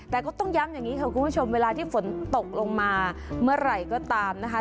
แต่ก็ต้องย้ำอย่างนี้ค่ะคุณผู้ชมเวลาที่ฝนตกลงมาเมื่อไหร่ก็ตามนะคะ